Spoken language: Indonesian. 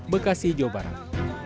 bekasi jawa barat